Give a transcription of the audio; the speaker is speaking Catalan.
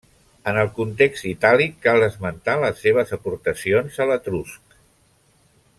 En el context itàlic cal esmentar les seves aportacions a l'etrusc.